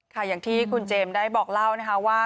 อย่างที่คุณเจมส์ได้บอกเล่านะคะว่า